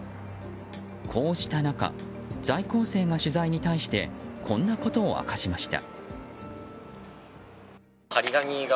こうした中在校生が取材に対してこんなことを明かしました。